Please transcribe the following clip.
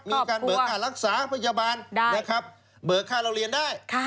มีการเบิกค่ารักษาพยาบาลนะครับเบิกค่าเราเรียนได้